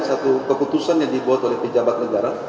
satu keputusan yang dibuat oleh pejabat negara